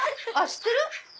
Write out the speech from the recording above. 知ってる？